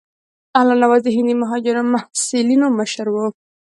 الله نواز د هندي مهاجرو محصلینو مشر وو.